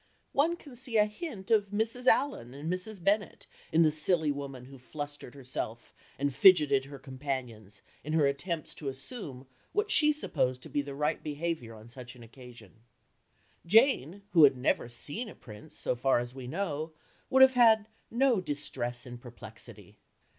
One can see a hint of Mrs. Allen and Mrs. Bennet in the silly woman who flustered herself and fidgeted her companions in her attempts to assume what she supposed to be the right behaviour on such an occasion. Jane, who had never seen a prince, so far as we know, would have had no "distress and perplexity."